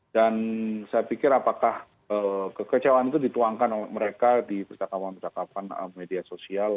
dan saya pikir apakah kekecewaan itu dituangkan oleh mereka di persyakapan persyakapan media sosial